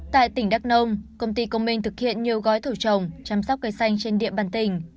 tại tỉnh đắk nông công ty công minh thực hiện nhiều gói thầu trồng chăm sóc cây xanh trên địa bàn tỉnh